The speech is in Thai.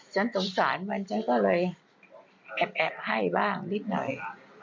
สงสารมันฉันก็เลยแอบให้บ้างนิดหน่อย